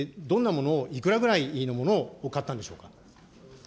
どんなものをいくらぐらいのものを買ったんでしょうか。